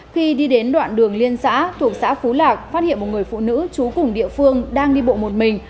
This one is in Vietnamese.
khi đi đến đoạn đường liên xã thuộc xã phú lạc phát hiện một người phụ nữ trú cùng địa phương đang đi bộ một mình